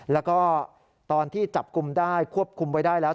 แล้วก็ตอนที่จับกลุ่มได้ควบคุมไว้ได้แล้ว